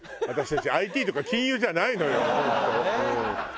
私たちＩＴとか金融じゃないのよ